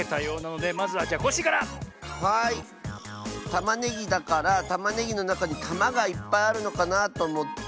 たまねぎだからたまねぎのなかにたまがいっぱいあるのかなとおもって。